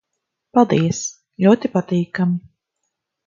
Paldies. Ļoti patīkami...